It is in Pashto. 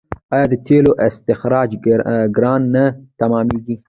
آیا د تیلو استخراج ګران نه تمامېږي؟